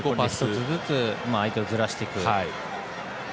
１つずつ相手をずらしていくと。